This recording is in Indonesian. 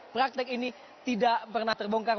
praktek ini tidak pernah terbongkar